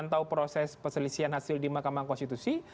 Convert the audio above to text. pantau proses peselisian hasil di mahkamah konstitusi